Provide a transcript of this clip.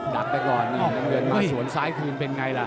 ดับไปก่อนนี่น้ำเงินมาสวนซ้ายคืนเป็นไงล่ะ